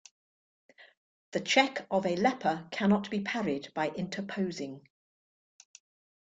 The check of a leaper cannot be parried by interposing.